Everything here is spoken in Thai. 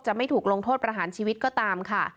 ไม่ถูกลงโทษประหารชีวิตก็ตามค่ะ